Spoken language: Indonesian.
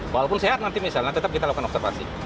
walaupun sehat nanti misalnya tetap kita lakukan observasi